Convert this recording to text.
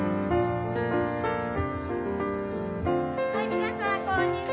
皆さんこんにちは。